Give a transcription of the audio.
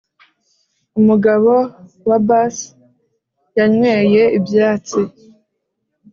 umugabo wa bass yanyweye ibyatsi